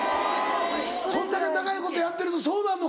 こんだけ長いことやってるとそうなんの体。